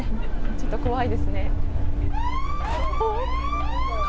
ちょっと怖いですね。